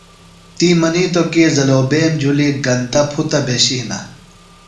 تی منیتو کی زلوبیم جُھلیۡ گندہ پُھتہ بھشیۡ ہینہ۔